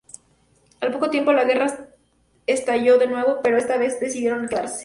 Al poco tiempo la guerra estalló de nuevo, pero esta vez decidieron quedarse.